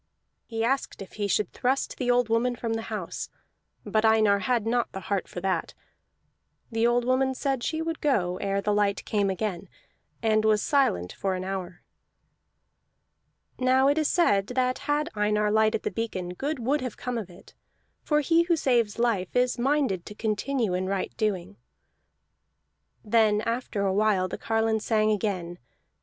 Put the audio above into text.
He asked if he should thrust the woman from the house, but Einar had not the heart for that. The old woman said she would go ere the light came again, and was silent for an hour. Now it is said that had Einar lighted the beacon, good would have come of it; for he who saves life is minded to continue in right doing. Then after a while the carline sang again.